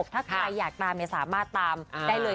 ถ้าใครอยากตามสามารถตามได้เลย